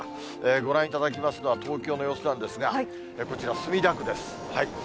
ご覧いただきますのは、東京の様子なんですが、こちら、墨田区です。